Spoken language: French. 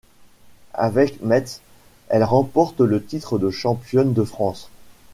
Avec Metz, elle remporte le titre de championne de France.